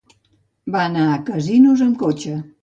Va anar a Casinos amb cotxe.